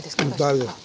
大丈夫？